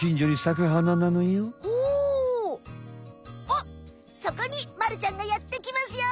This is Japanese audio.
あっそこにまるちゃんがやってきますよ。